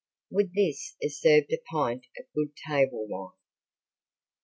With this is served a pint of good table wine.